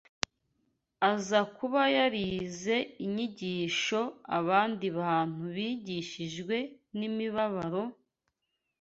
aza kuba yarize icyigisho abandi bantu bigishijwe n’imibabaro!